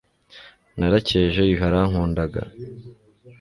Narakeje Yuhi arankunda ga.